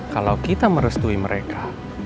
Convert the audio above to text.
kalau kita merestui mereka